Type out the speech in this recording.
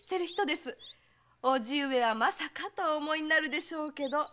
叔父上はまさかとお思いになるでしょうけど。